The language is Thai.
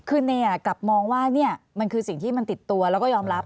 คือเนยกลับมองว่ามันคือสิ่งที่มันติดตัวแล้วก็ยอมรับ